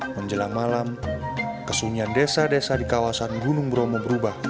menjelang malam kesunyian desa desa di kawasan gunung bromo berubah